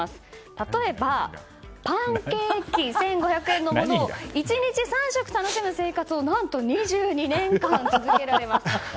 例えば１５００円のパンケーキを１日３食楽しむ生活を何と２２年間続けられます。